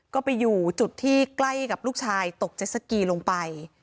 ก็ไปอยู่จุดที่ใกล้กับลูกชายตกเจ็ดสกีลงไป